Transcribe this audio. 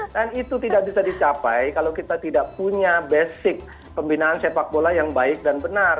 dan itu tidak bisa dicapai kalau kita tidak punya basic pembinaan sepak bola yang baik dan benar